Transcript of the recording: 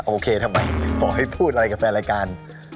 โอเคทำไมปล่อยให้พูดอะไรกับแฟนรายการ